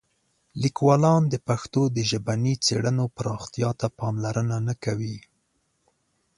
لیکوالان د پښتو د ژبني څېړنو پراختیا ته پاملرنه نه کوي.